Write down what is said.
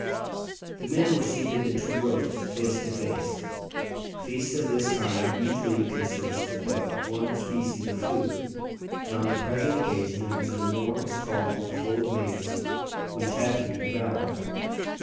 The men were seated in two rows, face to face. Feasts of this kind usually consist of but one species of food, and on the present occasion it was an enormous caldron full of maize which had to be devoured.